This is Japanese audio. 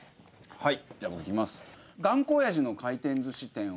はい。